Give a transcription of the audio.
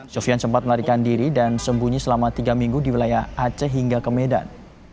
sofian sempat melarikan diri dan sembunyi selama tiga minggu di wilayah aceh hingga ke medan